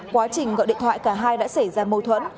quá trình gọi điện thoại cả hai đã xảy ra mâu thuẫn